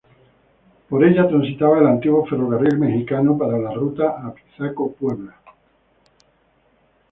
Por ella transitaba el antiguo Ferrocarril Mexicano para la ruta Apizaco-Puebla.